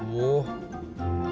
udah malam ya